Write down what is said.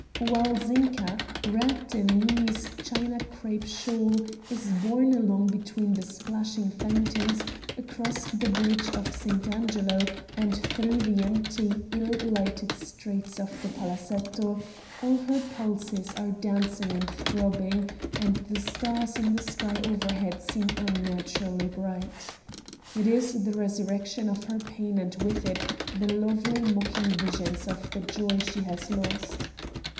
While Zinka, wrapped in Nini's China crape shawl, is borne along between the splashing fountains, across the bridge of St. Angelo, and through the empty, ill lighted streets to the palazetto, all her pulses are dancing and throbbing and the stars in the sky overhead seem unnaturally bright. It is the resurrection of her pain and with it of the lovely mocking vision of the joys she has lost.